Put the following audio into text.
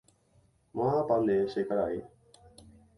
¡Mávapa nde che karai!